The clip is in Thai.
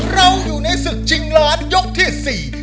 เราอยู่ในศึกชิงล้านยกที่๔